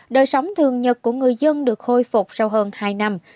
đời sống thường nhật của người dân được khôi phục sau hơn hai năm